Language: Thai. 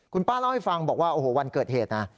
คุณป้าเล่าให้ฟังบอกว่าโอ้โหวันเกิดเหตุนะ